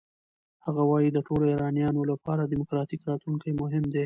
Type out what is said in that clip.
هغه وايي د ټولو ایرانیانو لپاره دموکراتیک راتلونکی مهم دی.